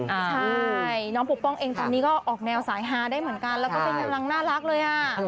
ใช่น้องปกป้องเองตอนนี้ก็ออกแนวสายฮาได้เหมือนกันแล้วก็เป็นกำลังน่ารักเลยอ่ะ